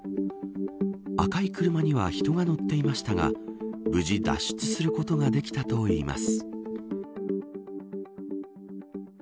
赤い車には人が乗っていましたが無事脱出することができたといいます。